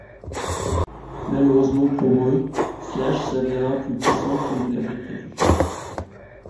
Malheureusement pour eux, Slash s'avéra plus puissant qu'ils ne l'avaient prévu.